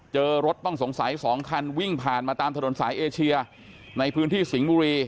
เจอรถต้องสงสัย๒คันวิ่งผ่านมาตามถนนสายเอเชียในพื้นที่สิงห์บุรี